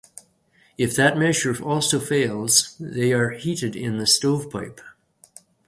If that measure also fails, they are heated in the stovepipe.